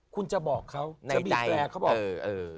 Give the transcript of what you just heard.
คุณจะบอกเขาจะบีบแตร์